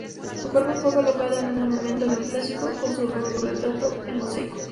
Su cuerpo fue colocado en un monumento neoclásico con su retrato en mosaico.